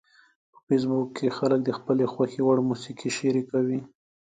په فېسبوک کې خلک د خپلو خوښې وړ موسیقي شریکوي